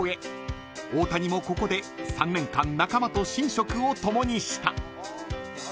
［大谷もここで３年間仲間と寝食を共にした］